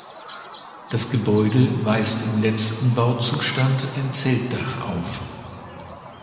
Das Gebäude weist im letzten Bauzustand ein Zeltdach auf.